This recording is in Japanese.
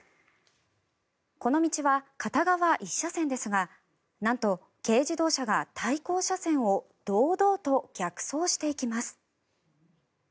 この道は片側１車線ですがなんと軽自動車が対向車線を堂々と逆走していきます。